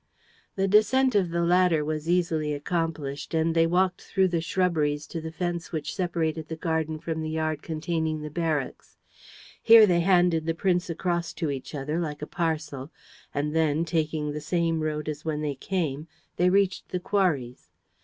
The descent of the ladder was easily accomplished and they walked through the shrubberies to the fence which separated the garden from the yard containing the barracks. Here they handed the prince across to each other, like a parcel, and then, taking the same road as when they came, they reached the quarries.